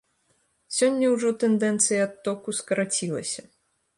Сёння ўжо тэндэнцыя адтоку скарацілася.